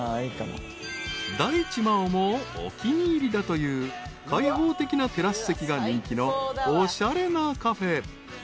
［大地真央もお気に入りだという開放的なテラス席が人気のおしゃれなカフェ］